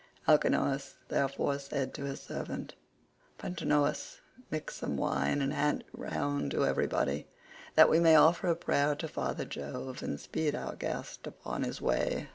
Alcinous therefore said to his servant, "Pontonous, mix some wine and hand it round to everybody, that we may offer a prayer to father Jove, and speed our guest upon his way."